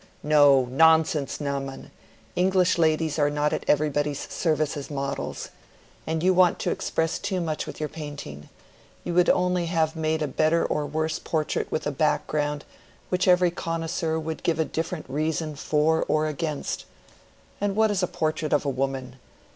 "No; nonsense, Naumann! English ladies are not at everybody's service as models. And you want to express too much with your painting. You would only have made a better or worse portrait with a background which every connoisseur would give a different reason for or against. And what is a portrait of a woman?